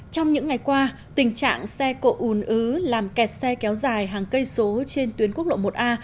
trong những ngày qua tình trạng xe cộ ùn ứ làm kẹt xe kéo dài hàng cây số trên tuyến quốc lộ một a